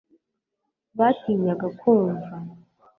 batinyaga kumva